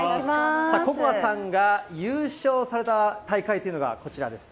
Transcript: Ｃｏｃｏａさんが優勝された大会というのがこちらです。